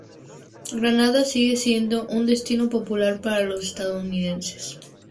Granada sigue siendo un destino popular para los estadounidenses.